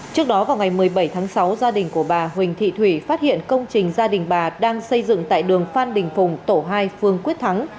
trước đó vào ngày một mươi bảy tháng sáu gia đình của bà huỳnh thị thủy phát hiện công trình gia đình bà đang xây dựng tại đường phan đình phùng tổ hai phương quyết thắng